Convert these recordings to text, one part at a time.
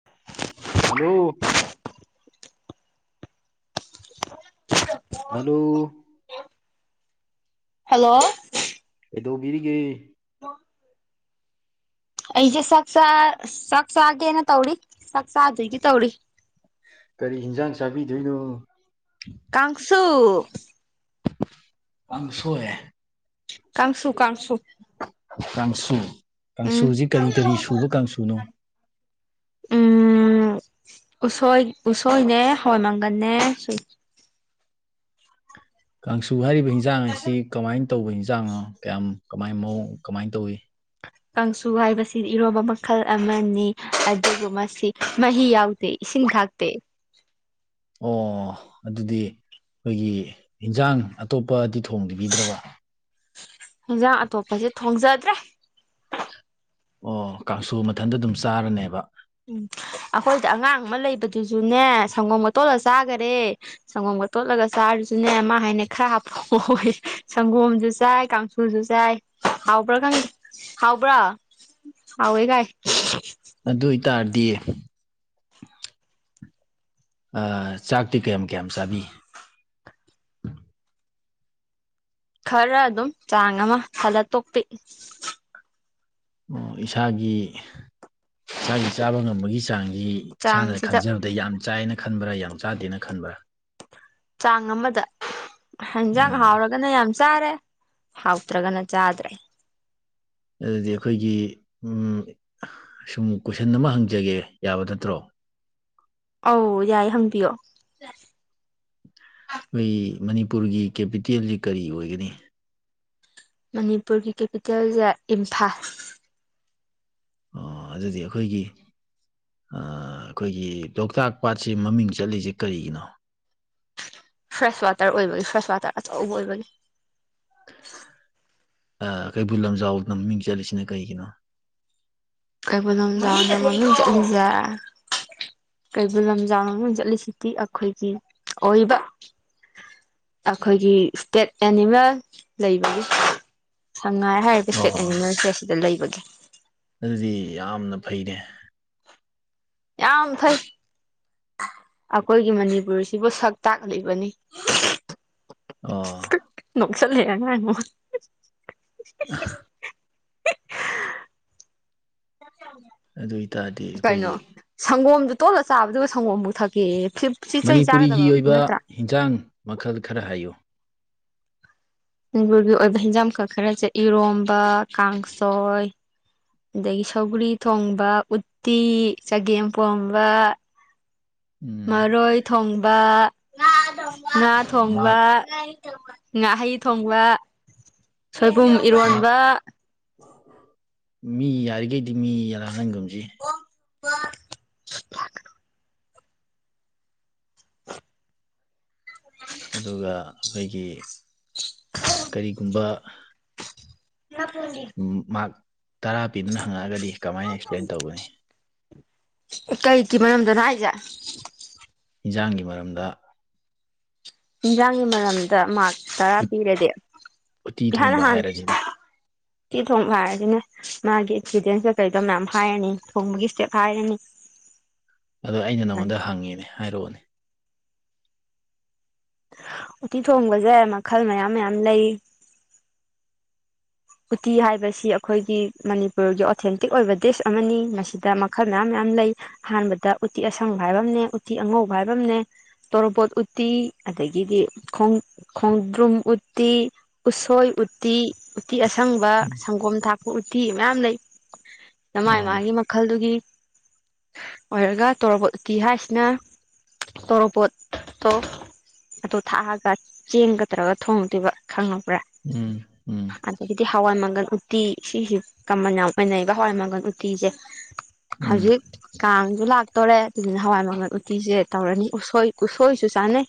[unintelligible] hello [unintelligible] hello hello ꯀꯩꯗꯧꯕꯤꯔꯤꯒꯦ ꯑꯩꯁꯦ ꯆꯥꯛꯆꯥ ꯆꯥꯛꯆꯥꯒꯦꯅ ꯇꯧꯔꯤ ꯆꯥꯛꯆꯥꯗꯣꯏꯒꯤ ꯇꯧꯔꯤ ꯀꯔꯤ ꯍꯤꯟꯖꯥꯡ ꯆꯥꯕꯤꯗꯣꯏꯅꯣ ꯀꯥꯡꯁꯨ ꯀꯥꯡꯁꯣꯏ ꯀꯥꯡꯁꯨ ꯀꯥꯡꯁꯨ ꯀꯥꯡꯁꯨ ꯎꯝ ꯀꯥꯡꯁꯨꯁꯤ ꯀꯔꯤ ꯀꯔꯤ ꯁꯨꯕ ꯀꯥꯡꯁꯨꯅꯣ [unintelligible] ꯎꯝ ꯎꯁꯣꯏ ꯎꯁꯣꯏꯅꯦ ꯍꯋꯥꯏ ꯃꯪꯒꯟꯅꯦ ꯁꯨꯏ ꯀꯥꯡꯁꯨ ꯍꯥꯏꯔꯤꯕ ꯏꯟꯖꯥꯡ ꯍꯥꯏꯁꯤ ꯀꯃꯥꯏ ꯇꯧꯕ ꯏꯟꯖꯥꯡꯅꯣ ꯀꯌꯥꯝ ꯀꯃꯥꯏ ꯃꯑꯣꯡ ꯀꯃꯥꯏ ꯇꯧꯏ ꯀꯥꯡꯁꯨ ꯍꯥꯏꯕꯁꯤꯗꯤ ꯏꯔꯣꯝꯕ ꯃꯈꯜ ꯑꯃꯅꯤ ꯑꯗꯨꯕꯨ ꯃꯁꯤ ꯃꯍꯤ ꯌꯥꯎꯗꯦ ꯏꯁꯤꯡ ꯊꯥꯛꯇꯦ ꯑꯣ ꯑꯗꯨꯗꯤ ꯑꯩꯈꯣꯏꯒꯤ ꯏꯟꯖꯥꯡ ꯑꯇꯣꯞꯄꯗꯤ ꯊꯣꯡꯕꯤꯗ꯭ꯔꯕ ꯏꯟꯖꯥꯡ ꯑꯇꯣꯞꯄꯖꯦ ꯊꯣꯡꯖꯗ꯭ꯔꯦ ꯑꯣ ꯀꯥꯡꯁꯨ ꯃꯊꯟꯗ ꯑꯗꯨꯝ ꯆꯥꯔꯅꯦꯕ ꯎꯝ ꯑꯈꯣꯏꯗꯤ ꯑꯉꯥꯡ ꯑꯃ ꯂꯩꯕꯗꯨꯁꯨꯅꯦ ꯁꯪꯒꯣꯝꯒ ꯇꯣꯠꯂ ꯆꯥꯒꯔꯦ ꯁꯪꯒꯣꯝꯒ ꯇꯣꯠꯂꯒ ꯆꯥꯔꯁꯨꯅꯦ ꯃꯥ ꯍꯥꯏꯅ ꯈꯔ ꯍꯥꯞꯄꯛꯑꯣꯌꯦ ꯁꯪꯒꯣꯝꯖꯨ ꯆꯥꯏ ꯀꯥꯡ ꯖꯨ ꯆꯥꯏ ꯍꯥꯎꯕ꯭ꯔꯥ ꯈꯪꯗꯦ ꯍꯥꯎꯕ꯭ꯔꯣ ꯍꯥꯎꯋꯦ ꯀꯥꯏ ꯑꯗꯨꯑꯣꯏ ꯇꯥꯔꯗꯤ ꯑ ꯆꯥꯛꯇꯤ ꯀꯌꯥꯝ ꯀꯌꯥꯝ ꯆꯥꯕꯤ ꯈꯔ ꯑꯗꯨꯝ ꯆꯥꯡ ꯑꯃ ꯊꯜꯂ ꯇꯣꯛꯄꯤ ꯑꯣ ꯏꯁꯥꯒꯤ ꯏꯁꯥꯒꯤ ꯆꯥꯕ ꯉꯝꯕꯒꯤ ꯆꯥꯡꯖꯤ ꯏꯁꯥꯅ ꯆꯥꯡꯁꯤꯗ ꯈꯟꯖꯕ ꯑꯗ ꯌꯥꯝ ꯆꯥꯏꯅ ꯈꯟꯕ꯭ꯔꯥ ꯌꯥꯝ ꯆꯥꯗꯦꯅ ꯈꯟꯕ꯭ꯔꯥ ꯆꯥꯡ ꯑꯃꯗ ꯍꯦꯟꯖꯥꯡ ꯎꯝ ꯍꯥꯎꯔꯒꯅ ꯌꯥꯝ ꯆꯥꯔꯦ ꯍꯥꯎꯇ꯭ꯔꯒꯅ ꯆꯥꯗ꯭ꯔꯦ ꯑꯗꯨꯗꯤ ꯑꯩꯈꯣꯏꯒꯤ ꯎꯝ ꯁꯨꯝ ꯀꯣꯏꯁꯟ ꯑꯃ ꯍꯪꯖꯒꯦ ꯌꯥꯕ ꯅꯠꯇ꯭ꯔꯣ ꯑꯧ ꯌꯥꯏ ꯍꯪꯕꯤꯌꯣ ꯑꯩꯈꯣꯏꯒꯤ ꯃꯅꯤꯄꯨꯔꯒꯤ ꯀꯦꯄꯤꯇꯦꯜꯖꯤ ꯀꯔꯤ ꯑꯣꯏꯒꯅꯤ ꯃꯅꯤꯄꯨꯔꯒꯤ ꯀꯦꯄꯤꯇꯦꯜꯖꯦ ꯏꯝꯐꯥꯜ ꯑꯣ ꯑꯗꯨꯗꯤ ꯑꯩꯈꯣꯏꯒꯤ ꯑ ꯑꯩꯈꯣꯏꯒꯤ ꯂꯣꯛꯇꯥꯛ ꯄꯥꯠꯁꯤ ꯃꯃꯤꯡ ꯆꯠꯂꯤꯁꯦ ꯀꯔꯤꯒꯤꯅꯣ ꯐ꯭ꯔꯦꯁ ꯋꯥꯇꯔ ꯑꯣꯏꯕꯒꯤ ꯐ꯭ꯔꯦꯁ ꯋꯥꯇꯔ ꯑꯆꯧꯕ ꯑꯣꯏꯕꯒꯤ ꯑ ꯀꯩꯕꯨꯜ ꯂꯝꯖꯥꯎꯅ ꯃꯃꯤꯡ ꯆꯠꯂꯤꯁꯤꯅ ꯀꯩꯒꯤꯅꯣ ꯀꯩꯕꯨꯜ ꯂꯝꯖꯥꯎꯅ ꯃꯃꯤꯡ ꯆꯠꯂꯤꯖꯦ ꯀꯩꯕꯨꯜ ꯂꯝꯖꯥꯎꯅ ꯃꯃꯤꯡ ꯆꯠꯂꯤꯁꯤꯗꯤ ꯑꯩꯈꯣꯏꯒꯤ ꯑꯣꯏꯕ ꯑꯩꯈꯣꯏꯒꯤ ꯏꯁꯇꯦꯠ ꯑꯦꯅꯤꯃꯦꯜ ꯂꯩꯕꯒꯤ ꯁꯉꯥꯏ ꯍꯥꯏꯔꯤꯕ ꯏꯁꯇꯦꯠ ꯑꯣ ꯑꯦꯅꯤꯃꯦꯜꯁꯦ ꯁꯤꯗ ꯂꯩꯕꯒꯤ ꯑꯗꯨꯗꯤ ꯌꯥꯝꯅ ꯐꯩꯅꯦ ꯌꯥꯝꯝ ꯐꯩ ꯑꯩꯈꯣꯏꯒꯤ ꯃꯅꯤꯄꯨꯔꯁꯤꯕꯨ ꯁꯛ ꯇꯥꯛꯂꯤꯕꯅꯤ ꯑꯣ ꯅꯣꯛꯆꯔ ꯂꯛꯑꯦꯅ ꯑꯉꯣꯟ [inaudible] ꯑꯗꯨ ꯑꯣꯏ ꯇꯥꯔꯗꯤ ꯀꯩꯅꯣ ꯑꯩꯈꯣꯏꯒꯤ ꯁꯪꯒꯣꯝꯗꯣ ꯇꯣꯠꯂ ꯆꯥꯕꯗꯨ ꯁꯪꯒꯣꯝꯕꯨꯛ ꯊꯛꯀꯦꯌꯦ ꯐꯤꯞ ꯃꯅꯤꯄꯨꯔꯤꯒꯤ ꯑꯣꯏꯕ ꯍꯟꯖꯥꯡ ꯃꯈꯜ ꯈꯔ ꯍꯥꯏꯌꯨ ꯃꯅꯤꯄꯨꯔꯒꯤ ꯑꯣꯏꯕ ꯍꯤꯟꯖꯥꯡꯈꯛ ꯈꯔꯁꯦ ꯏꯔꯣꯝꯕ ꯀꯥꯡꯁꯣꯏ ꯑꯗꯒꯤ ꯁꯧꯒ꯭ꯔꯤ ꯊꯣꯡꯕ ꯎꯠꯇꯤ ꯆꯒꯦꯝꯄꯣꯝꯕ ꯎꯝ ꯃꯔꯣꯏ ꯊꯣꯡꯕ ꯉꯥ ꯃꯥ ꯊꯣꯡꯕ ꯉꯥꯍꯩ ꯊꯣꯡꯕ ꯁꯣꯏꯕꯨꯝ ꯃꯥ ꯏꯔꯣꯟꯕ ꯃꯤ ꯌꯥꯔꯤꯒꯩꯗꯤ ꯃꯤ ꯌꯥꯂꯥꯡꯍꯟꯒꯨꯝꯁꯤ ꯑꯗꯨꯒ ꯑꯩꯈꯣꯏꯒꯤ ꯀꯔꯤꯒꯨꯝꯕ ꯃꯥꯛ ꯇꯔꯥ ꯄꯤꯕꯅ ꯍꯪꯉꯛꯑꯒꯗꯤ ꯀꯃꯥꯏꯅ ꯑꯦꯛꯁꯄ꯭ꯂꯦꯟ ꯇꯧꯒꯅꯤ ꯀꯩꯒꯤ ꯃꯔꯝꯗꯅꯣ ꯍꯥꯏꯁꯦ ꯏꯟꯖꯥꯡꯒꯤ ꯃꯔꯝꯗ ꯏꯟꯖꯥꯡꯒꯤ ꯃꯔꯝꯗ ꯃꯥꯛ ꯇꯔꯥ ꯄꯤꯔꯗꯤ ꯎꯇꯤ ꯏꯍꯥꯟ ꯊꯣꯡꯕ ꯍꯍꯥꯟ ꯍꯥꯏꯔꯁꯤꯅꯦ ꯁꯤ ꯊꯣꯡꯕ ꯍꯥꯏꯔꯁꯤꯅꯦ ꯃꯥꯒꯤ ꯑꯦꯛꯁꯄꯤꯔꯤꯌꯦꯟꯁꯇ ꯀꯩꯗꯣ ꯃꯌꯥꯝ ꯍꯥꯏꯔꯅꯤ ꯊꯣꯡꯕꯒꯤ ꯏꯁꯇꯦꯞ ꯍꯥꯏꯔꯅꯤ ꯑꯗꯣ ꯑꯩꯅ ꯅꯉꯣꯟꯗ ꯍꯪꯉꯤꯅꯦ ꯍꯥꯏꯔꯛꯑꯣꯅꯦ ꯎꯠꯇꯤ ꯊꯣꯡꯕꯁꯦ ꯃꯈꯜ ꯃꯌꯥꯝ ꯃꯌꯥꯝ ꯂꯩ ꯎꯇꯤ ꯍꯥꯏꯕꯁꯤ ꯑꯩꯈꯣꯏꯒꯤ ꯃꯅꯤꯄꯨꯔꯒꯤ ꯑꯣꯊꯦꯟꯇꯤꯛ ꯑꯣꯏꯕ ꯗꯦꯁ ꯑꯃꯅꯤ ꯃꯁꯤꯗ ꯃꯈꯜ ꯃꯌꯥꯝ ꯃꯌꯥꯝ ꯂꯩ ꯑꯍꯥꯟꯕꯗ ꯎꯇꯤ ꯑꯁꯪꯕ ꯍꯥꯏꯕ ꯑꯃꯅꯦ ꯎꯇꯤ ꯑꯉꯧꯕ ꯍꯥꯏꯕꯝꯅꯦ ꯇꯣꯔꯣꯕꯣꯠ ꯎꯠꯇꯤ ꯑꯗꯒꯤꯗꯤ ꯈꯣꯡꯗ꯭ꯔꯨꯝ ꯎꯠꯇꯤ ꯎꯁꯣꯏ ꯎꯠꯇꯤ ꯎꯇꯤ ꯑꯁꯪꯕ ꯎꯝ ꯁꯪꯒꯣꯝ ꯊꯥꯛꯄ ꯎꯇꯤ ꯃꯌꯥꯝ ꯂꯩ ꯅꯃꯥꯏ ꯑꯥ ꯃꯥꯒꯤ ꯃꯈꯜꯗꯨꯒꯤ ꯑꯣꯏꯔꯒ ꯇꯣꯔꯣꯕꯣ ꯎꯇꯤ ꯍꯥꯏꯁꯤꯅ ꯇꯣꯔꯣꯕꯣꯠꯇꯣ ꯑꯗꯨꯗ ꯊꯥꯛꯑꯒ ꯆꯦꯡꯒꯗ꯭ꯔꯒ ꯊꯣꯡꯉꯗꯣꯏꯕ ꯈꯪꯉꯕ꯭ꯔꯥ ꯎꯝ ꯎꯝ ꯑꯗꯒꯤꯗꯤ ꯍꯋꯥꯏ ꯃꯪꯒꯜ ꯎꯇꯤ ꯁꯤꯁꯤꯦ ꯀꯃꯟ ꯌꯥꯝ ꯑꯣꯏꯅꯩꯕ ꯍꯋꯥꯏ ꯃꯪꯒꯜ ꯎꯇꯤꯁꯦ ꯎꯝ ꯍꯧꯖꯤꯛ ꯀꯥꯡꯁꯨ ꯂꯥꯛꯇꯣꯔꯦ ꯑꯗꯨꯅ ꯍꯋꯥꯏ ꯃꯪꯒꯜ ꯎꯇꯤꯁꯦ ꯇꯧꯔꯅꯤ ꯎꯁ ꯎꯁꯣꯏꯁꯨ ꯆꯥꯅꯩ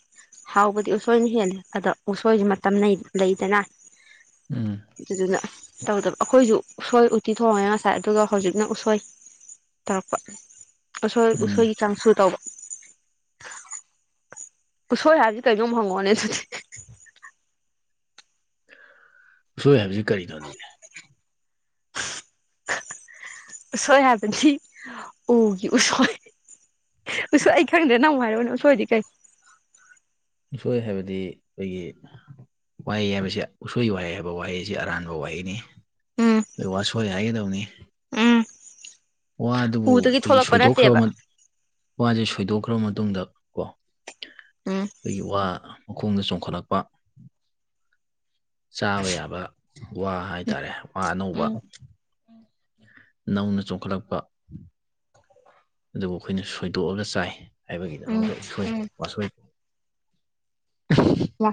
ꯍꯥꯎꯕꯗꯤ ꯎꯁꯣꯏꯅ ꯍꯦꯜꯂꯦ ꯑꯗ ꯎꯁꯣꯏꯁ ꯃꯇꯝ ꯂꯩꯗꯅ ꯎꯝ ꯑꯗꯨꯗꯨꯅ ꯇꯧꯗꯕ ꯑꯩꯈꯣꯏꯁꯨ ꯎꯁꯣꯏ ꯎꯠꯇꯤ ꯊꯣꯡꯉꯦ ꯉꯁꯥꯏ ꯑꯗꯨꯒ ꯍꯧꯖꯤꯛꯅ ꯎꯁꯣꯏ ꯇꯧꯔꯛꯄ ꯎꯁꯣꯏ ꯎꯝ ꯎꯁꯣꯏꯒꯤ ꯆꯁꯨ ꯇꯧꯕ ꯎꯠꯁꯣꯏ ꯍꯥꯏꯕꯁꯤꯗꯤ ꯀꯩꯅꯣꯝ ꯍꯪꯉꯣꯅꯦ ꯑꯗꯨꯗꯤ ꯎꯁꯣꯏ ꯍꯥꯏꯕꯁꯤ ꯀꯔꯤꯅꯣ ꯑꯗꯨꯗꯤ [inaudible] ꯎꯁꯣꯏ ꯍꯥꯏꯕꯗꯤ ꯎꯒꯤ ꯎꯁꯣꯏ ꯎꯁ ꯑꯩ ꯈꯪꯗ꯭ꯔꯦ ꯅꯪꯨ ꯍꯥꯏꯔꯛꯅ ꯎ ꯁꯁꯣꯏꯔꯗꯤ ꯀꯩ ꯃꯤꯁꯣꯏ ꯍꯥꯏꯕꯗꯤ ꯑꯩꯈꯣꯏꯒꯤ ꯋꯥꯍꯩ ꯍꯥꯏꯕꯕꯁꯤ ꯎꯁꯣꯏ ꯋꯥꯍꯩ ꯍꯥꯏꯕ ꯋꯥꯍꯩꯁꯤ ꯑꯔꯥꯟꯕ ꯋꯥꯍꯩꯅꯤ ꯎꯝ ꯀ ꯋꯥꯁꯣꯏ ꯍꯥꯏꯒꯗꯧꯅꯤ ꯎꯝ ꯋꯥꯗꯨꯕꯨ ꯎꯗꯒꯤ ꯑꯩꯈꯣꯏꯒꯤ ꯊꯣꯛꯂꯛꯄ ꯅꯠꯇꯦꯕ ꯁꯣꯏꯗꯣꯛꯈ꯭ꯔꯕ ꯋꯥꯁꯦ ꯁꯣꯏꯗꯣꯛꯈ꯭ꯔꯕ ꯃꯇꯨꯡꯗ ꯀꯣ ꯎꯝ ꯑꯩꯈꯣꯏꯒꯤ ꯋꯥ ꯃꯈꯣꯡꯗ ꯆꯣꯡꯈꯠꯂꯛꯄ ꯆꯥꯕ ꯌꯥꯕ ꯋꯥ ꯍꯥꯏꯇꯥꯔꯦ ꯋꯥ ꯑꯅꯧꯕ ꯎꯝ ꯅꯧꯅ ꯆꯣꯡꯈꯠꯂꯛꯄ ꯑꯗꯨꯕꯨ ꯑꯩꯈꯣꯏꯅ ꯁꯣꯏꯗꯣꯛꯑꯒ ꯆꯥꯏ ꯎꯝ ꯍꯥꯏꯕꯒꯤꯗꯃꯛꯇ ꯏꯁꯣꯏ ꯎꯝ ꯑꯁꯣꯏ ꯃꯥ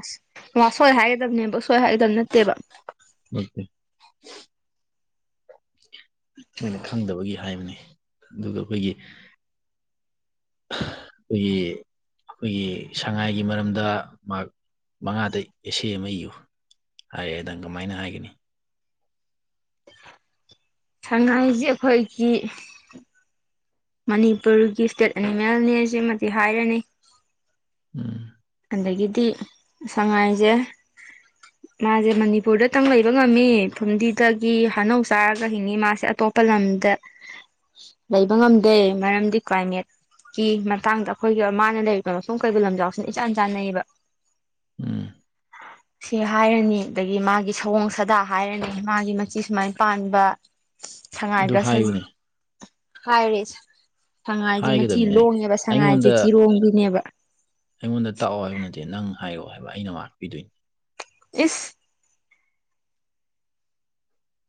ꯃꯥ ꯁꯣꯏ ꯍꯥꯏꯒꯗꯕꯅꯦꯕ ꯁꯣꯏ ꯍꯥꯏꯒꯗꯕ ꯅꯠꯇꯦꯕ [unintelligible] ꯃꯣꯏꯅ ꯈꯪꯗꯕꯒꯤ ꯍꯥꯏꯕꯅꯤ ꯑꯗꯨꯒ ꯑꯩꯈꯣꯏꯒꯤ ꯑꯩꯈꯣꯏꯒꯤ ꯑꯩꯈꯣꯏꯒꯤ ꯁꯉꯥꯏꯒꯤ ꯃꯔꯝꯗ ꯃꯍꯥꯛ ꯃꯪꯉꯥꯗꯩ ꯑꯦꯁꯦ ꯑꯃ ꯏꯌꯨ ꯍꯥꯏꯔꯦ ꯅꯪ ꯀꯃꯥꯏꯅ ꯍꯥꯏꯒꯅꯤ ꯁꯪꯉꯥꯏꯖꯦ ꯑꯩꯈꯣꯏꯒꯤ ꯃꯅꯤꯄꯨꯔꯒꯤ ꯏꯁꯇꯦꯠ ꯑꯦꯅꯤꯃꯦꯜꯅꯦ ꯁꯤꯃꯗꯤ ꯍꯥꯏꯔꯅꯤ ꯎꯝ ꯑꯗꯒꯤꯗꯤ ꯁꯉꯥꯏꯁꯦ [inaudible] ꯃꯥꯁꯦ ꯃꯅꯤꯄꯨꯔꯗꯇꯪ ꯂꯩꯕ ꯉꯝꯃꯤ ꯐꯨꯝꯗꯤꯗꯒꯤ ꯍꯅꯧ ꯆꯥꯔꯒ ꯍꯤꯡꯉꯤ ꯃꯥꯁꯦ ꯑꯇꯣꯞꯄ ꯂꯝꯗ [inaudible] ꯂꯩꯕ ꯉꯝꯗꯦ ꯃꯔꯝꯗꯤ ꯀ꯭ꯂꯥꯏꯃꯦꯠ ꯀꯤ ꯃꯇꯥꯡꯗ ꯑꯩꯈꯣꯏꯒꯤ ꯃꯥꯅ ꯂꯩꯔꯤꯕ ꯃꯐꯝ ꯀꯩꯕꯨꯜ ꯂꯝꯖꯥꯎꯁꯤꯅ ꯏꯆꯥꯟ ꯆꯥꯟꯅꯩꯌꯦꯕ ꯎꯝ ꯁꯤ ꯍꯥꯏꯔꯅꯤ ꯑꯗꯒꯤ ꯃꯥꯒꯤ ꯁꯑꯣꯡ ꯁꯥꯗꯥ ꯍꯥꯏꯔꯅꯤ ꯃꯥꯒꯤ ꯃꯆꯤ ꯁꯨꯃꯥꯏ ꯄꯥꯟꯕ ꯑꯗꯨ ꯁꯉꯥꯏꯗ ꯁꯥꯖꯤ ꯍꯥꯏꯌꯨꯅꯦ ꯍꯥꯏꯔꯦ ꯁꯪꯉꯥꯏꯉꯤ ꯃꯆꯤ ꯍꯥꯏꯒꯗꯕꯅꯤꯅꯦ ꯂꯣꯡꯉꯦꯕ ꯁꯉꯥꯏꯁꯦ ꯑꯩꯉꯣꯟꯗ ꯆꯤꯔꯣꯡꯗꯨꯅꯦꯕ ꯑꯩꯉꯣꯟꯗ ꯇꯥꯛꯑꯣ ꯍꯥꯏꯕ ꯅꯠꯇꯦ ꯅꯪ ꯍꯥꯏꯔꯛꯑꯣ ꯍꯥꯏꯕ ꯑꯩꯅ ꯃꯥꯛꯄꯤꯗꯣꯏꯅꯤ ꯏꯁ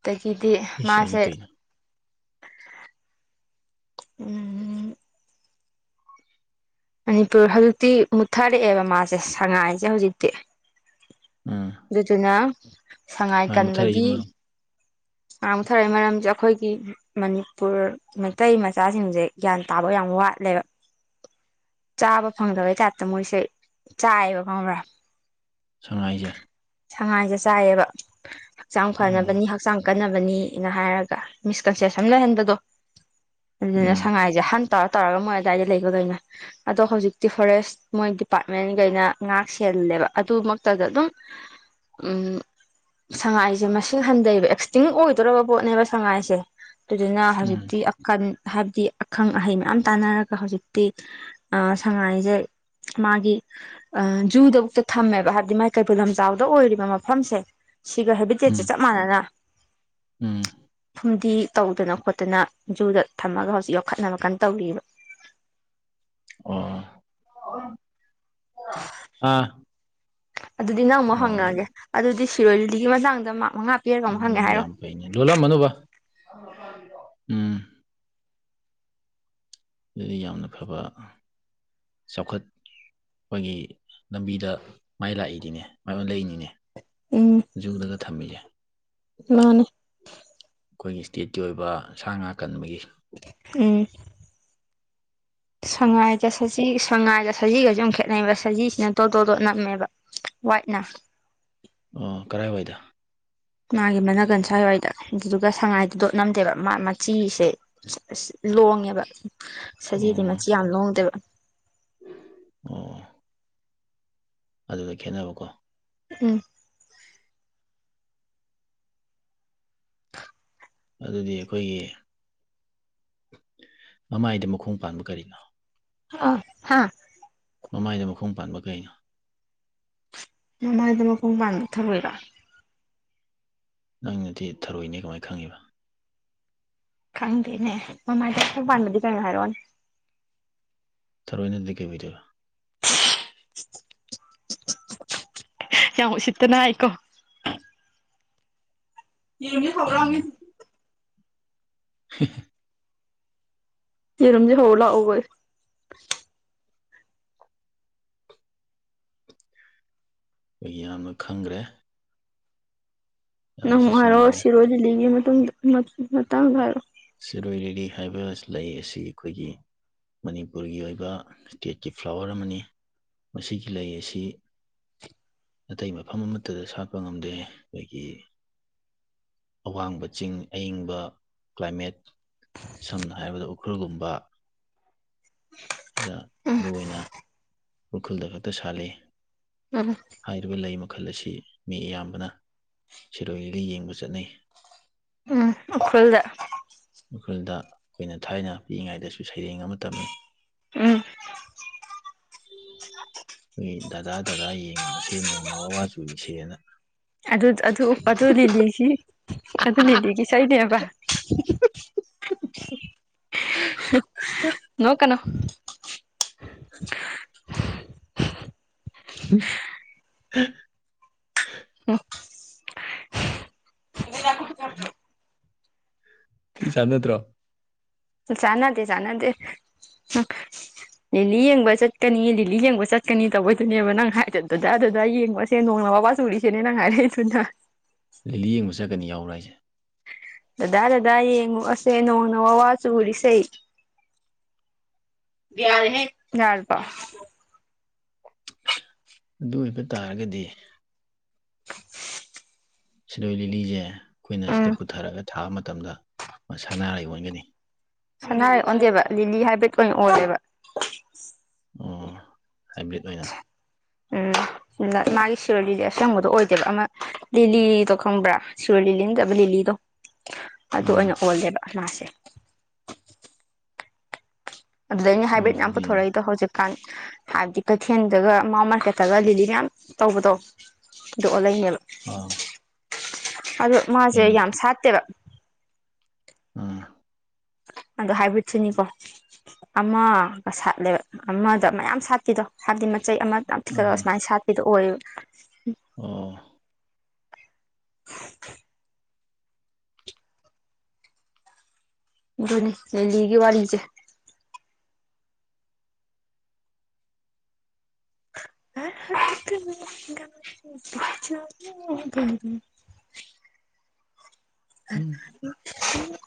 ꯑꯗꯒꯤꯗꯤ ꯏꯁ ꯑꯩꯗꯤ ꯃꯥꯁꯦ ꯀꯩꯅꯣ ꯎꯝ ꯃꯅꯤꯄꯨꯔ ꯍꯧꯖꯤꯛꯇꯤ ꯃꯨꯠꯊꯔꯛꯑꯦꯕ ꯃꯥꯁꯦ ꯁꯉꯥꯏꯁꯦ ꯍꯧꯖꯤꯛꯇꯤ ꯎꯝ ꯑꯗꯨꯗꯨꯅ ꯁꯪꯉꯥꯏ ꯁꯨꯃꯥꯏ ꯃꯨꯠꯊꯔꯛꯏꯁꯤ ꯀꯟꯕꯒꯤ ꯃꯔꯝ ꯃꯥ ꯃꯨꯠꯊꯔꯛꯏ ꯃꯔꯝꯖꯦ ꯑꯩꯈꯣꯏꯒꯤ ꯃꯅꯤꯄꯨꯔ ꯃꯩꯇꯩ ꯃꯆꯥꯁꯤꯡꯁꯦ ꯒ꯭ꯌꯥꯟ ꯇꯥꯕ ꯌꯥꯝ ꯋꯥꯠꯂꯦꯕ ꯆꯥꯕ ꯐꯪꯗꯕꯩ ꯇꯥꯞꯇ ꯃꯣꯏꯁꯦ ꯆꯥꯏꯑꯦꯕ ꯈꯪꯉꯕ꯭ꯔꯥ ꯁꯪꯉꯥꯏꯖꯦ ꯁꯪꯉꯥꯏꯖꯦ ꯆꯥꯏꯌꯦꯕ ꯍꯛꯆꯥꯡ ꯎꯝ ꯐꯅꯕꯅꯤ ꯍꯛ ꯍꯛꯆꯥꯡ ꯀꯟꯅꯕꯅꯤꯅ ꯍꯥꯏꯔꯒ ꯃꯤꯁꯀꯟꯁꯦꯞꯁꯟ ꯂꯩꯍꯟꯕꯗꯣ ꯑꯗꯨꯅ ꯎꯝ ꯁꯉꯥꯏꯁꯦ ꯍꯟ ꯇꯧꯔ ꯇꯧꯔꯒ ꯃꯣꯏ ꯑꯗꯨꯋꯥꯏꯗ ꯂꯩꯕꯒꫭꯏꯅ ꯑꯗꯣ ꯍꯧꯖꯤꯛꯇꯤ ꯐꯣꯔꯦꯁ ꯃꯣꯏ ꯗꯤꯄꯥꯔꯠꯃꯦꯟꯒꯩꯅ ꯉꯥꯛ ꯁꯦꯜꯂꯦꯕ ꯑꯗꯨꯃꯛꯇꯗ ꯑꯗꯨꯝ ꯎꯝ ꯁꯪꯉꯥꯏꯁꯦ ꯃꯁꯤꯡ ꯍꯟꯊꯩꯑꯦꯕ ꯑꯦꯛꯁꯇꯤꯡ ꯑꯣꯏꯗꫭꯔꯕ ꯄꯣꯠꯅꯦꯕ ꯁꯉꯥꯏꯁꯦ ꯑꯗꯨꯗꯨꯅ ꯎꯝ ꯍꯧꯖꯤꯛꯇꯤ ꯍꯥꯏꯕꯗꯤ ꯑꯈꯪ ꯑꯍꯩ ꯃꯌꯥꯝ ꯇꯥꯟꯅꯔꯒ ꯍꯧꯖꯤꯛꯇꯤ ꯑ ꯁꯪꯉꯥꯏꯁꯦ ꯃꯥꯒꯤ ꯑ ꯖꯨꯗꯕꯨꯛꯇ ꯊꯝꯃꯦꯕ ꯍꯥꯏꯕꯗꯤ ꯃꯥꯏ ꯀꯩꯕꯨꯜ ꯂꯝꯖꯥꯎꯗ ꯑꯣꯏꯔꯤꯕ ꯃꯐꯝꯁꯦ ꯁꯤꯒ ꯍꯦꯕꯤꯇꯦꯠꯁꯦ ꯎꯝ ꯆꯞ ꯃꯥꯟꯅꯅ ꯎꯝ ꯐꯨꯝꯗꯤ ꯇꯧꯗꯅ ꯈꯣꯠꯇꯅ ꯖꯨꯗ ꯊꯝꯃꯒ ꯍꯧꯖꯤꯛ ꯌꯣꯛꯈꯠꯅꯕ ꯀꯟ ꯇꯧꯔꯤꯕ ꯑꯣ [unintelligible] ꯑꯥ ꯑꯗꯨꯗꯤ ꯅꯪ ꯑꯃꯨꯛ ꯑꯣ ꯑꯗꯨ ꯍꯪꯉꯛꯑꯒꯦ ꯑꯗꯨꯗꯤ ꯁꯤꯔꯣꯏ ꯂꯤꯂꯤꯒꯤ ꯃꯇꯥꯡꯗ ꯃꯥꯛ ꯃꯪꯉꯥ ꯑꯗꯨ ꯌꯥꯝ ꯐꯩꯅꯦ ꯂꯣꯜꯂꯝꯃꯅꯨ ꯕꯥ ꯎꯝ ꯑꯗꯨꯗꯤ ꯌꯥꯝꯅ ꯐꯕ ꯆꯥꯎꯈꯠ ꯑꯩꯈꯣꯏꯒꯤ ꯂꯝꯕꯤꯗ ꯃꯥꯏ ꯂꯥꯛꯏꯅꯤꯅꯦ ꯃꯥꯏ ꯑꫭꯜ ꯂꯛꯏꯅꯤꯅꯦ ꯎꯝ ꯖꯨꯗꯒ ꯊꯥꯝꯃꯤꯖꯦ ꯃꯥꯅꯦ ꯑꯩꯈꯣꯏꯒꯤ ꯏꯁꯇꯦꯠꯀꯤ ꯑꯣꯏꯕ ꯁꯥ ꯉꯥ ꯀꯟꯕꯒꯤ ꯎꯝ ꯁꯉꯥꯏꯒꯥ ꯁꯖꯤ ꯁꯉꯥꯏꯒꯥ ꯁꯖꯤꯒꯁꯨ ꯌꯥꯝ ꯈꯦꯠꯅꯩꯕ ꯁꯖꯤꯁꯤꯅ ꯇꯣ ꯇꯣꯇꯣꯠ ꯅꯝꯃꯦꯕ ꯋꯥꯏꯠꯅ ꯑꯣ ꯀꯔꯥꯏꯋꯥꯏꯗ ꯃꯥꯒꯤ ꯃꯅꯥꯒꯟ ꯁ꯭ꯋꯥꯏꯋꯥꯏꯗ ꯑꯗꯨꯗꯨꯒ ꯁꯉꯥꯏꯗꯤ ꯗꯣꯠ ꯅꯝꯗꯦꯕ ꯃꯥ ꯃꯆꯤꯁꯦ ꯑꯁ ꯂꯣꯡꯉꯦꯕ ꯁꯖꯤꯗꯤ ꯑꯣ ꯃꯆꯤ ꯌꯥꯝ ꯂꯣꯡꯗꯦꯕ ꯑꯣ ꯑꯗꯨꯗ ꯈꯦꯠꯅꯕꯀꯣ ꯎꯝ [unintelligible] ꯑꯗꯨꯗꯤ ꯑꯩꯈꯣꯏꯒꯤ ꯃꯃꯥꯏꯗ ꯃꯈꯣꯡ ꯄꯥꯟꯕ ꯀꯔꯤꯅꯣ ꯑꯣ ꯍꯥ ꯃꯃꯥꯏꯗ ꯃꯈꯣꯡ ꯄꯥꯟꯕ ꯀꯩꯅꯣ ꯃꯃꯥꯏꯗ ꯃꯈꯣꯡ ꯄꯥꯟꯕ ꯊꯔꫭꯏꯔꫭ ꯅꯪꯅꯗꯤ ꯊꯔꯣꯏꯅꯦ ꯀꯃꯥꯏ ꯈꯪꯉꯤꯕ ꯈꯪꯗꯦꯅꯦ ꯃꯃꯥꯏꯗ ꯑꯈꯪ ꯄꯥꯟꯕꯗꯤ ꯀꯩꯅꯣ ꯍꯥꯏꯔꯛꯑꯣꯅꯦ ꯊꯔꫭꯏ ꯅꯠꯇꯔꯗꯤ ꯀꯩ ꯑꫭꯏꯗꫭꯏꯕ ꯌꯥꯝ ꯎꯁꯤꯠꯇꯅ ꯍꯥꯏꯀꯣ ꯌꯦꯔꯨꯝꯖꯦ ꯎꯝ ꯍꯧꯂꯥꯎꯅꯦꯁꯤ [unintelligible] ꯌꯦꯔꯨꯝꯖꯦ ꯍꯧꯂꯨ ꯂꯥꯛꯑꯣꯌꯩ ꯑꯩꯈꯣꯏꯒꯤ ꯌꯥꯝꯅ ꯈꯪꯈ꯭ꯔꯦ ꯅꯪ ꯌꯥꯝꯅꯁꯨ ꯃꯨꯛ ꯍꯥꯢꯔꯛ ꯑꯣ ꯆꯨꯝꯈ꯭ꯔꯦ ꯁꯤꯔꯣꯏꯂꯤꯂꯤꯒꯤ ꯃꯇꯨꯡꯗ ꯃꯇꯥꯡꯗ ꯍꯥꯏꯔꯛ ꯑꯣ ꯁꯤꯔꯣꯏ ꯂꯤꯂꯤ ꯍꯥꯏꯕ ꯂꯩ ꯑꯁꯤ ꯑꯩꯈꯣꯏꯒꯤ ꯃꯅꯤꯄꯨꯔꯒꯤ ꯑꯣꯏꯕ ꯁꯇꯦꯠꯀꯤ ꯐ꯭ꯂꯥꯋꯔ ꯑꯃꯅꯤ ꯃꯁꯤꯒꯤ ꯂꯩ ꯑꯁꯤ ꯑꯇꯩ ꯃꯐꯝ ꯑꯃꯠꯇꯗ ꯁꯥꯠꯄ ꯉꯝꯗꯦ ꯑꯩꯈꯣꯏꯒꯤ ꯑꯋꯥꯡꯕ ꯆꯤꯡ ꯑꯏꯪꯕ ꯀ꯭ꯂꯥꯏꯃꯦꯠ ꯁꯝꯅ ꯍꯥꯏꯔꯕꯗ ꯎꯈ꯭ꯔꯨꯜꯒꯨꯝꯕ ꯁꯤꯗ ꯃꯔꯨ ꯑꯣꯏꯅ ꯎꯈ꯭ꯔꯨꯜꯗ ꯈꯛꯇ ꯁꯥꯠꯂꯤ ꯎꯝ ꯍꯥꯏꯔꯤꯕ ꯂꯩ ꯃꯈꯜ ꯑꯁꯤ ꯃꯤ ꯑꯌꯥꯝꯕꯅ ꯁꯤꯔꯣꯏꯂꯤꯂꯤ ꯌꯦꯡꯕ ꯆꯠꯅꯩ ꯎꯝ ꯎꯈ꯭ꯔꯨꯜꯗ ꯎꯈ꯭ꯔꯨꯜꯗ ꯑꯩꯈꯣꯏꯅ ꯊꯥꯏꯅ ꯄꯤꯛꯏꯉꯩꯗꯁꯨ ꯁꯩꯔꯦꯡ ꯑꯃ ꯇꯝꯃꯤ ꯎꯝ ꯎ ꯑꯩꯈꯣꯏꯒꯤ ꯗꯥꯗꯥ ꯗꯗꯥ ꯌꯦꯡꯉꯨꯁꯦ ꯅꯣꯡꯅ ꯋꯥ ꯋꯥ ꯆꯨꯔꯤꯁꯦꯅ ꯑꯗꯨ ꯑꯗꯨ ꯑꯗꯨ ꯂꯤꯂꯤꯒꯤ ꯑꯗꯨ ꯂꯤꯂꯤꯒꯤ ꯏꯁꯩꯅꯦꯕ ꯅꯣꯛꯀꯅꯣ ꯎ [inaudible] ꯑꯣ ꯎꯝ ꯆꯟꯅꯗꯔꯣ ꯆꯥꯟꯅꯥꯗꯦ ꯆꯥꯟꯅꯥꯗꯦ ꯂꯤꯂꯤ ꯌꯦꯡꯕ ꯆꯠꯀꯅꯤ ꯂꯤꯂꯤ ꯌꯦꯡꯕ ꯆꯠꯀꯅꯤ ꯇꯧꯕꯩꯗꯨꯅꯦꯕ ꯅꯪ ꯍꯥꯏꯗꯣ ꯗꯨꯗꯥ ꯗꯨꯗꯥ ꯌꯦꯡꯉꯨ ꯁꯦ ꯅꯣꯡꯅ ꯋꯥ ꯋꯥ ꯆꯨꯔꯦ ꯁꯤꯅꯦ ꯅꯪ ꯍꯥꯏꯔꯛꯏꯗꯨꯅ ꯂꯤꯂꯤ ꯌꯦꯡꯕ ꯆꯠꯀꯅꯤ ꯌꯥꯎꯕꯔꯥ ꯍꯥꯏꯁꯦ ꯗꯗꯥ ꯗꯗꯥ ꯌꯦꯡꯉꯨꯁꯦ ꯅꯣꯡ ꯅ ꯋꯥ ꯋꯥ ꯆꯨꯔꯤꯁꯦ ꯌꯥꯔꯦꯍꯦ ꯌꯔꯕꯣ ꯑꯗꯨ ꯑꯣꯏꯕ ꯇꯥꯔꯒꯗꯤ ꯁꯤꯔꯣꯏ ꯂꯤꯂꯤꯁꯦ ꯑꯩꯈꯣꯏꯅ ꯁꯤꯗ ꯎꯝ ꯄꯨꯊꯔꯒ ꯊꯥꯕ ꯃꯇꯝꯗ ꯃ ꯁꯅꯔꯩ ꯑꯣꯟꯒꯅꯤ ꯁꯅꯥꯔꯦꯛ ꯑꯣꯟꯗꯦꯕ ꯂꯤꯂꯤ ꯍꯥꯏꯕ꯭ꯔꯦꯠ ꯑꯣꯏꯅ ꯑꯣꯜꯂꯦꯕ ꯑꯣ ꯍꯥꯏꯕꯦꯠ ꯑꯣꯏꯅ ꯎꯝ ꯃꯥꯒꯤ ꯁꯤꯔꯜꯗꯨꯗꯤ ꯑꯁꯪꯕꯗꯣ ꯑꯣꯏꯗꯦꯕ ꯑꯃ ꯂꯤꯂꯤꯗꯣ ꯈꯪꯕ꯭ꯔꯥ ꯁꯤꯔꯣꯏ ꯂꯤꯂꯤ ꯅꯠꯇꯕ ꯂꯤꯂꯤꯗꯣ ꯑꯗꯨ ꯑꯥ ꯑꯣꯏꯅ ꯑꯣꯜꯂꯦꯕ ꯃꯥꯥꯁꯦ ꯑꯗꯨꯗ ꯑꯩꯅ ꯑꯣ ꯍꯥꯏꯕꯦꯠ ꯌꯥꯝ ꯑꯗꯨꯗꯤ ꯄꯨꯊꯣꯔꯛꯏꯗꯣ ꯍꯧꯖꯤꯛ ꯀ ꯍꯥꯏꯕꯗꯤ ꯀꯩꯊꯦꯜꯗꯒ ꯃꯥꯎ ꯃꯥꯔꯀꯦꯠꯇꯒ ꯂꯤꯂꯤ ꯃꯌꯥꯝ ꯇꯧꯕꯗꯣ ꯑꯗꯨꯗꯣ ꯋꯥꯂꯦꯜ ꯑ ꯑꯗꯣ ꯃꯥꯁꯦ ꯌꯥꯝ ꯁꯥꯠꯇꯦꯕ ꯎꯝ ꯑꯗꯣ ꯍꯥꯏꯕ꯭ꯔꯤꯠꯁꯨꯅꯤꯀꯣ ꯑꯃꯒ ꯁꯥꯠꯂꯦꯕ ꯑꯃꯗ ꯃꯌꯥꯝ ꯁꯥꯠꯄꯤꯗꯣ ꯍꯥꯏꯕꯗꯤ ꯃꯆꯩ ꯑꯃ ꯌꯥꯝ ꯊꯤꯀꯠꯂ ꯑꯥ ꯑꯁꯨꯃꯥꯏꯅ ꯁꯥꯠꯄꯤꯗꯣ ꯑꯣꯏꯌꯦꯕ ꯑꯣ [unintelligible] ꯑꯗꯨꯅꯦ ꯂꯤꯂꯤꯒꯤ ꯋꯥꯔꯤꯖ‌ꯦ [unintelligible] ꯎꯝ [unintelligible]